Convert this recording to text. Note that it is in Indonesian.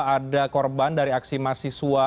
ada korban dari aksi mahasiswa